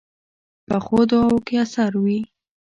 پخو دعاوو کې اثر وي